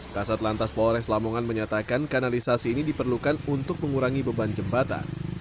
kasat lantas polres lamongan menyatakan kanalisasi ini diperlukan untuk mengurangi beban jembatan